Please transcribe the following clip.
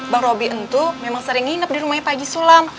bang robi itu memang sering nginep di rumah pak haji sulam